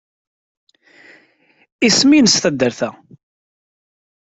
Isem-nnes taddart-a?